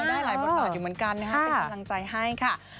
ได้หลายบทบาทอยู่เหมือนกันนะคะเป็นกำลังใจให้ค่ะ